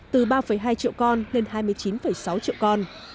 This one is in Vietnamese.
từ ba hai triệu con lên hai mươi chín sáu triệu con